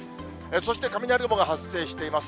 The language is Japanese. そして雷雲が発生しています。